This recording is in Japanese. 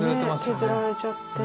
削られちゃって。